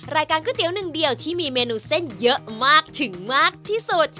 รายการก๋วยเตี๋ยวนึงเดียวที่มีเมนูเส้นเยอะมากส่วนนี้ถึงมากที่สุด